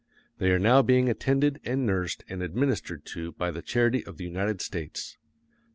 They are now being attended and nursed and administered to by the charity of the United States.